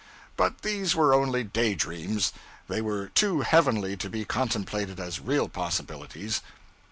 But these were only day dreams, they were too heavenly to be contemplated as real possibilities.